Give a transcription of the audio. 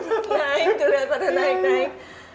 naik tuh lihat lihat naik naik